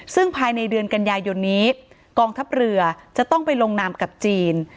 ซึ่งภายในเดือนกันยายนนี้กองทัพเรือจะต้องไปลงนามกับจีน